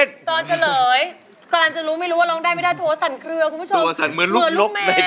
ตอนเฉลยกำลังจะรู้ไม่รู้ว่าร้องได้ไม่ได้